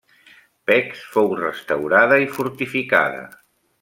Pécs fou restaurada i fortificada.